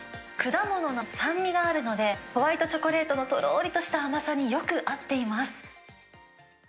果物の酸味があるので、ホワイトチョコレートのとろりとした甘さによく合っています。